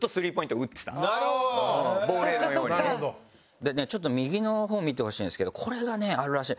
でねちょっと右の方見てほしいんですけどこれがねあるらしい。